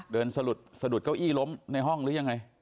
สะดุดเก้าอี้ล้มในห้องหรือยังไง